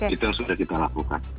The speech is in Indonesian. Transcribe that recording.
itu yang sudah kita lakukan